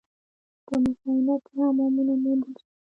په مس عینک کې حمامونه موندل شوي